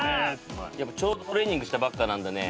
やっぱちょうどトレーニングしたばっかなんでね